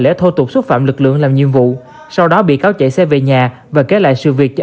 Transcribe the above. lễ thô tục xúc phạm lực lượng làm nhiệm vụ sau đó bị cáo chạy xe về nhà và kể lại sự việc cho